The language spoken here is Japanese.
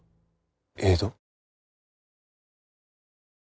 江戸？